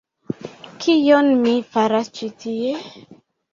Kion mi faras ĉi tie?